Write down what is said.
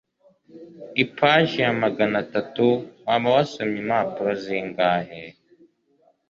Ipaji ya maganatatu Waba wasomye impapuro zingahe?